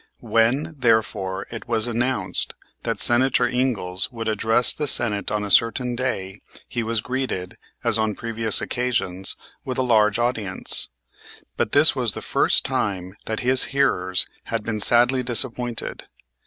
When, therefore, it was announced that Senator Ingalls would address the Senate on a certain day, he was greeted, as on previous occasions, with a large audience. But this was the first time that his hearers had been sadly disappointed.